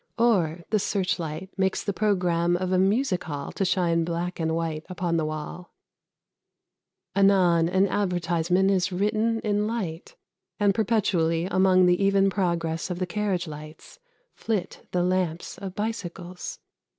Or the search light makes the programme of a music hall to shine black and white upon the wall; anon, an advertisement is written in light, and perpetually among the even progress of the carriage lights flit the lamps of bicycles.